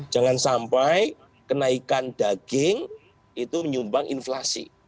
jangan sampai kenaikan daging itu menyumbang inflasi